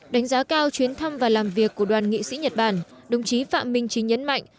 đánh giá cao chuyến thăm và làm việc của đoàn nghị sĩ nhật bản đồng chí phạm minh chính nhấn mạnh